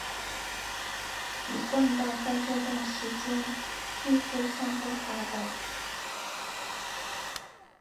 一贯道在这段时期迅速散布华北。